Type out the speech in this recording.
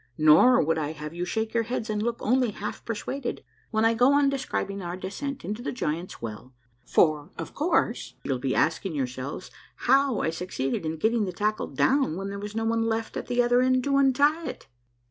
Nor would I have you shake your heads and look only half persuaded when I go on describing our descent into the Giants' A MARVELLOUS UNDERGROUND JOURNEY 31 Well, for of course you'll be asking yourselves how I succeeded in getting the tackle down when there was no one left at the other end to untie it